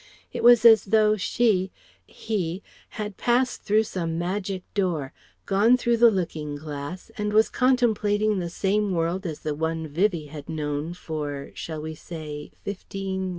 It was as though she he had passed through some magic door, gone through the looking glass and was contemplating the same world as the one Vivie had known for shall we say fifteen?